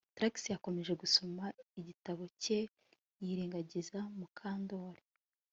Trix yakomeje gusoma igitabo cye yirengagiza Mukandoli